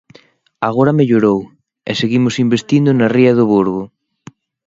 Agora mellorou; e seguimos investindo na ría do Burgo.